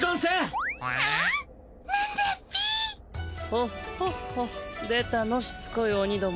ホッホッホ出たのしつこいオニども。